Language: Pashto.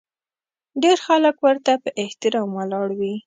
ډېر خلک ورته په احترام ولاړ وي.